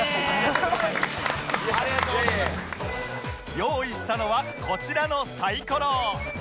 用意したのはこちらのサイコロ